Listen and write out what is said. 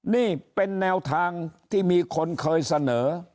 นี่เป็นแนวทางที่มีคนเคยเสนอ